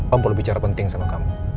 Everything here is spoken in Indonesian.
om boleh bicara penting sama kamu